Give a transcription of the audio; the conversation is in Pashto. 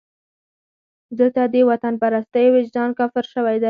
دلته د وطنپرستۍ وجدان کافر شوی دی.